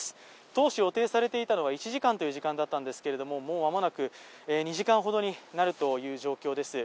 当初予定されていたのは１時間だったんですけれども、もう間もなく２時間ほどになるという状況です。